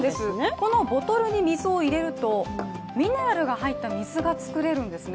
このボトルに水を入れると、ミネラルが入った水が作れるんですね。